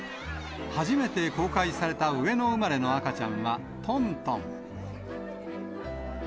初めて公開された上野生まれの赤ちゃんはトントン。